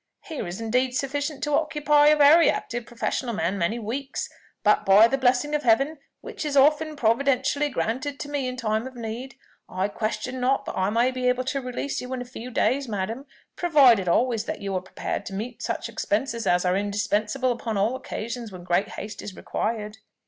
Here is indeed sufficient to occupy a very active professional man many weeks: but by the blessing of Heaven, which is often providentially granted to me in time of need, I question not but I may be able to release you in a few days, madam, provided always that you are prepared to meet such expenses as are indispensable upon all occasions when great haste is required."